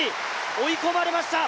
追い込まれました。